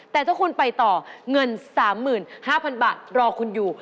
แต่ถ้าคุณไปต่อเงิน๓๕๐๐๐บาทรอคุณอยู่